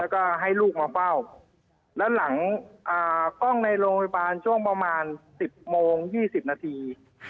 แล้วก็ให้ลูกมาเฝ้าแล้วหลังกล้องในโรงพยาบาลช่วงประมาณ๑๐โมง๒๐นาที